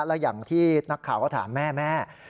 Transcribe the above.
แล้วอย่างที่นักข่าวก็ถามแม่แม่